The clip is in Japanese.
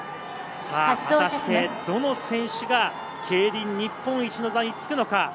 果たしてどの選手が競輪日本一の座につくのか？